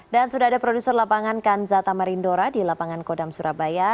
dan sudah ada produser lapangan kanza tamarindora di lapangan kodam surabaya